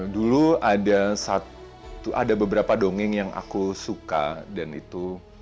dulu ada beberapa dongeng yang aku suka dan itu